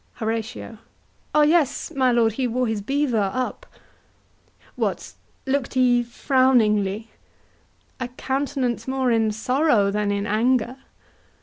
HORATIO. O yes, my lord, he wore his beaver up. HAMLET. What, look'd he frowningly? HORATIO. A countenance more in sorrow than in anger.